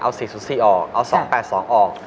เอา๔๐๔ออกเอา๒๘๒ออก